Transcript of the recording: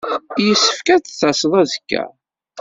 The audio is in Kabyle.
Yessefk ad d-taseḍ azekka.